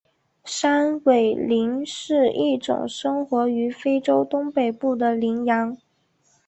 山苇羚是一种生活于非洲东北部的羚羊。